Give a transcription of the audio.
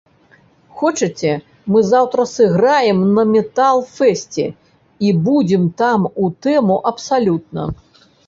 Хочаце, мы заўтра сыграем на метал-фэсце і будзем у тэму абсалютна?